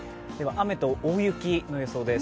雨と大雪の予想です。